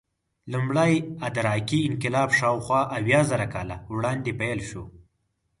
لومړی ادراکي انقلاب شاوخوا اویازره کاله وړاندې پیل شو.